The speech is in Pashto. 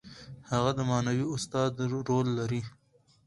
هغه د معنوي استاد رول لري.